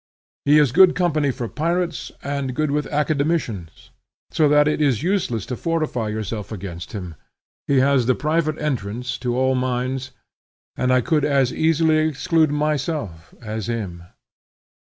He is good company for pirates and good with academicians; so that it is useless to fortify yourself against him; he has the private entrance to all minds, and I could as easily exclude myself, as him.